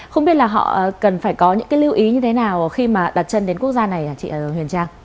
không biết là họ cần phải có những cái lưu ý như thế nào khi mà đặt chân đến quốc gia này hả chị huyền trang